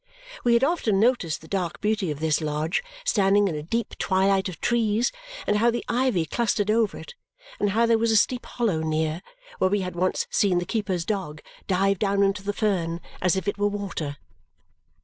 We had often noticed the dark beauty of this lodge standing in a deep twilight of trees, and how the ivy clustered over it, and how there was a steep hollow near, where we had once seen the keeper's dog dive down into the fern as if it were water.